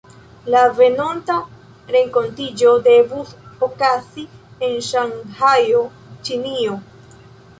La venonta renkontiĝo devus okazi en Ŝanhajo, Ĉinio.